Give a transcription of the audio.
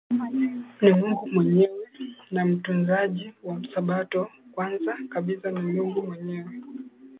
ni Mungu Mwenyewe na Mtunzaji wa Sabato wa Kwanza kabisa ni Mungu mwenyewe